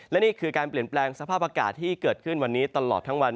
และนี่คือการเปลี่ยนแปลงสภาพอากาศที่เกิดขึ้นวันนี้ตลอดทั้งวัน